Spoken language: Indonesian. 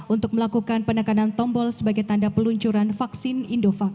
untuk melakukan penekanan tombol sebagai tanda peluncuran vaksin indovac